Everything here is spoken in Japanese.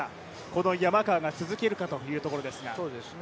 この山川が続けるかというところですが。